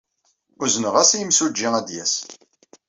Uzneɣ-as i yimsujji ad d-yas.